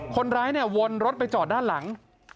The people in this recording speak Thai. คนร้ายเนี่ยวนรถไปจอดด้านหลัง